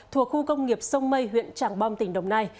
thuộc khu công nghiệp sông mây huyện tràng bom tỉnh đồng nai